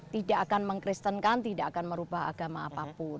tidak akan meng kristenkan tidak akan merubah agama apapun